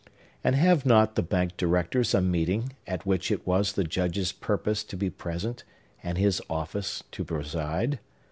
And have not the bank directors a meeting at which it was the Judge's purpose to be present, and his office to preside?